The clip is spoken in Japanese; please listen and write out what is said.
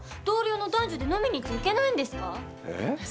同僚の男女で飲みに行っちゃいけないんですか。